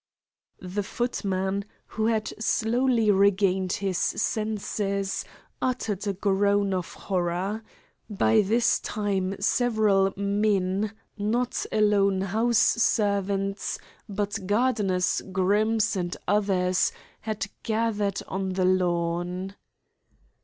The footman, who had slowly regained his senses, uttered a groan of horror. By this time several men, not alone house servants, but gardeners, grooms, and others, had gathered on the lawn.